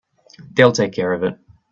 They'll take care of it.